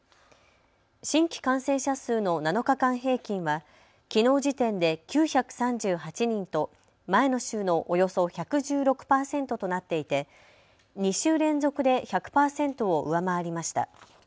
新規感染者数の７日間平均はきのう時点で９３８人と前の週のおよそ１１６％となっていて２週連続で１００％を上回りました。